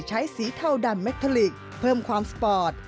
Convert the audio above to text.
ใช้สีเทาดันเมตตาลิกเพิ่มความสปอร์ต